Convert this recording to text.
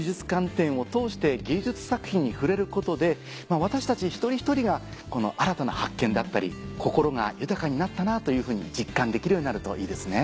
展を通して芸術作品に触れることで私たち一人一人がこの新たな発見であったり心が豊かになったなというふうに実感できるようになるといいですね。